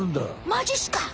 まじっすか！？